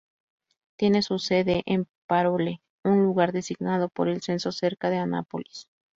Tiene su sede en Parole, un lugar designado por el censo cerca de Annapolis.